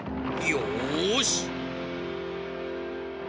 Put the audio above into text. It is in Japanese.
よし！